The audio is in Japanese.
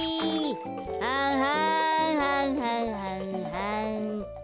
はんはんはんはんはんはん。